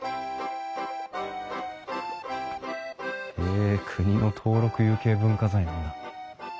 へえ国の登録有形文化財なんだ。